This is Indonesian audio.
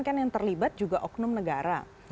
kan yang terlibat juga oknum negara